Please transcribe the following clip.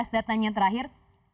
dan tanya yang terakhir